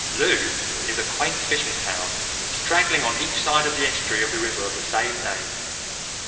Looe is a quaint fishing town straggling on each side of the estuary of the river of the same name.